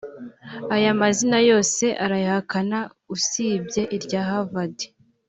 Aya mazina yose arayahakana usibye irya Havard